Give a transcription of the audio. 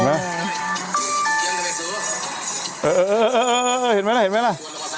เออเห็นไหมล่ะ